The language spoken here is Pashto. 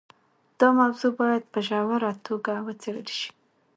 دا موضوع باید په ژوره توګه وڅېړل شي.